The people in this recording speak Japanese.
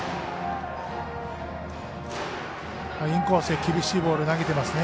インコースへ厳しいボール投げてますね。